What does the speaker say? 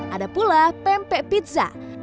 ada pula pempek pizza